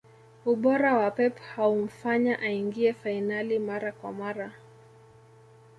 ubora wa pep haumfanya aingie fainali mara kwa mara